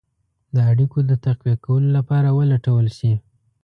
د اړېکو د تقویه کولو لپاره ولټول شي.